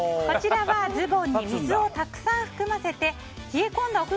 こちらはズボンに水をたくさん含ませて冷え込んだ